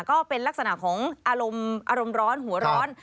ก็เป็นลักษณะของอารมณ์อารมณ์ร้อนหัวร้อน